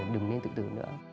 đừng nên tự tử nữa